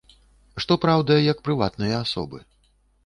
Што праўда, як прыватныя асобы.